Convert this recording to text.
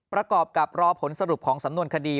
ประกอบกับรอผลสรุปของสำนวนคดี